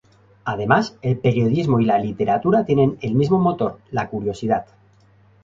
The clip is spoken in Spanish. Además, el periodismo y la literatura tienen el mismo motor: la curiosidad.